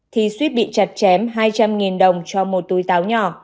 thì suýt bị chặt chém hai trăm linh đồng cho một túi táo nhỏ